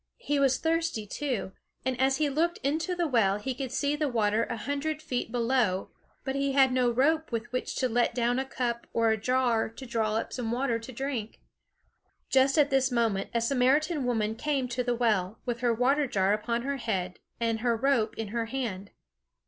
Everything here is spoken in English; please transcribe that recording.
He was thirsty, too; and as he looked into the well he could see the water a hundred feet below, but he had no rope with which to let down a cup or a jar to draw up some water to drink. Just at this moment a Samaritan woman came to the well, with her water jar upon her head, and her rope in her hand.